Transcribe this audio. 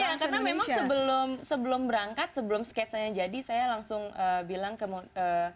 iya karena memang sebelum berangkat sebelum sketsanya jadi saya langsung bilang ke monkes